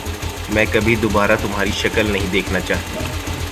میں کبھی دوبارہ تمہاری شکل نہیں دیکھنا چاہتی۔